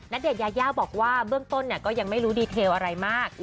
เดชยายาบอกว่าเบื้องต้นก็ยังไม่รู้ดีเทลอะไรมาก